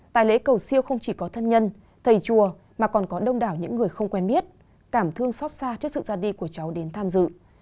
tại lễ cầu siêu không chỉ có thân nhân thầy chùa mà còn có đông đảo những người không quen biết cảm thương xót xa trước sự ra đi của cháu đến tham dự